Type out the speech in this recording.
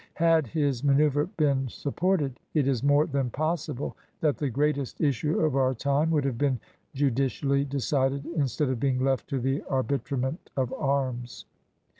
Had his manceuver been supported, it is more than possible that the great est issue of our time would have been judicially decided instead of being left to the arbitrament of arms.